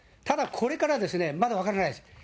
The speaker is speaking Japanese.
ただ、これからまだ分からないです。